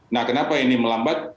nah kenapa ini melambat